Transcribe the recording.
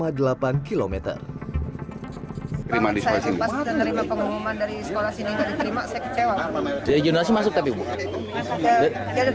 alasannya apa deh pihak sekolah tadi